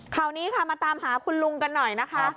ข่าวนี้ค่ะมาตามหาคุณลุงกันหน่อยนะคะ